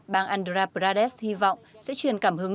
bang andhra pradesh hy vọng sẽ truyền cảm hứng